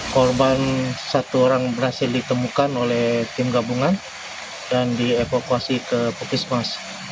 korban satu orang berhasil ditemukan oleh tim gabungan dan dievakuasi ke pukismas